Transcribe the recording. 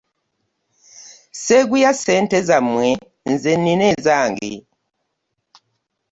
Sseeguya ssente zammwe nze nnina ezange.